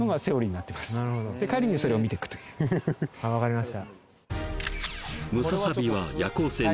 なるほど帰りにそれを見ていくという分かりました